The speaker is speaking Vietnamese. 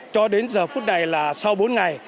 cho đến giờ phút này là sau bốn ngày